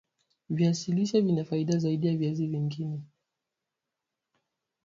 viazi lishe vina faida zaidi ya viazi vingine